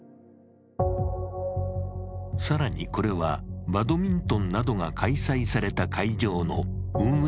更に、これはバドミントンなどが開催された会場の運営